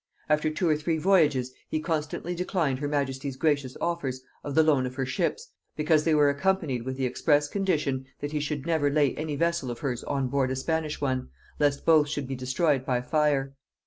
After two or three voyages he constantly declined her majesty's gracious offers of the loan of her ships, because they were accompanied with the express condition that he should never lay any vessel of hers on board a Spanish one, lest both should be destroyed by fire.